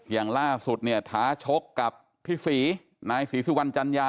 อย่างล่าสุดเนี่ยท้าชกกับพี่ศรีนายศรีสุวรรณจัญญา